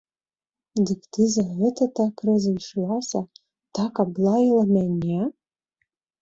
Дык ты за гэта так разышлася, так аблаяла мяне?